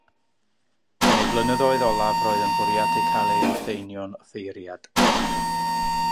Yn ei flynyddoedd olaf roedd yn bwriadu cael ei ordeinio'n offeiriad.